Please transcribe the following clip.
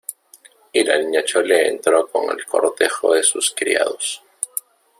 y la Niña Chole entró con el cortejo de sus criados.